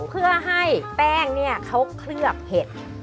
เพื่อให้แป้งเนี่ยเขาเคลือบเผ็ด